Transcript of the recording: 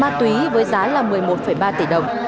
ma túy với giá là một mươi một ba tỷ đồng